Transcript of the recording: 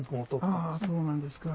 あぁそうなんですか。